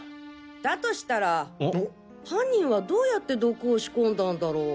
だとしたら犯人はどうやって毒を仕込んだんだろう。